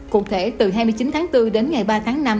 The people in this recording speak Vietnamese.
cụ thể từ hai mươi chín tháng bốn đến ngày ba tháng năm